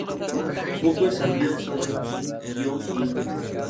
Poco es sabido sobre Kim Hyŏng-jik.